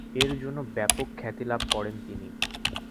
এর জন্য ব্যাপক খ্যাতিলাভ করেন তিনি।